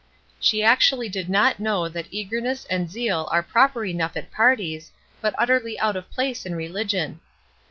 She actually did not know that eagerness and zeal are proper enough at parties, but utterly out of place in religion.